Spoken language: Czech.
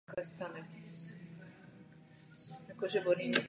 Ceny kovového šrotu, papíru a umělohmotných lahví dramaticky klesly.